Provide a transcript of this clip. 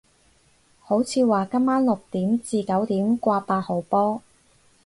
好似話今晚六點至九點掛八號波